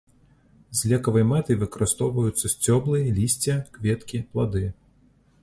З лекавай мэтай выкарыстоўваюцца сцёблы, лісце, кветкі, плады.